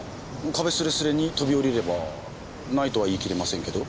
壁すれすれに飛び降りればないとは言い切れませんけど。